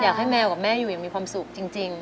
ทั้งในเรื่องของการทำงานเคยทำนานแล้วเกิดปัญหาน้อย